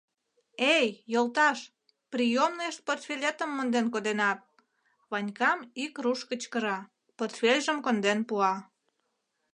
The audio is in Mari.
— Эй, йолташ, приёмныеш портфелетым монден коденат, — Ванькам ик руш кычкыра, портфельжым конден пуа.